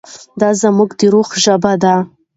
دا زموږ د روح ژبه ده.